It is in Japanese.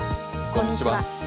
こんにちは。